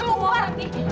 keluar di keluar